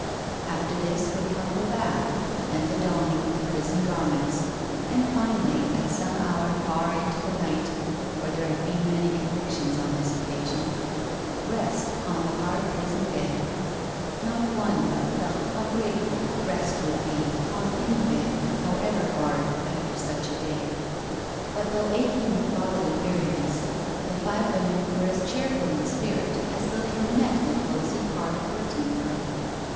After this would come the bath and the donning of the prison garments, and finally, at some hour far into the night—for there had been many convictions on this occasion— rest on the hard prison bed. Not one but felt how grateful rest would be on 103 104 NO SURRENDER any bed, however hard, after such a day. But though aching with bodily weariness, the five women were as cheerful in spirit as though they had met in a cosy parlour for a tea party.